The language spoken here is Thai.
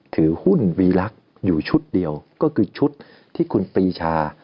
ถือหุ้นวีลักษณ์อยู่ชุดเดียวก็คือชุดที่คุณปีชา